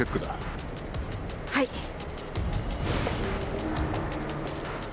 はい。